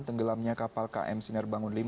tenggelamnya kapal km sinar bangun v